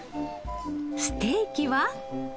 ステーキは？